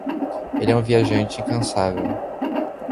Ele é um viajante incansável.